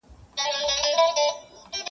بابا مه گوره، خورجين ئې گوره-